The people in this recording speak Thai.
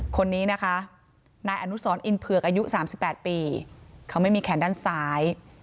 คนนี้นะคะนายอนุสรอินเผือกอายุ๓๘ปีเขาไม่มีแขนด้านซ้าย